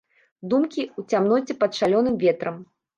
Думкі ў цямноце пад шалёным ветрам.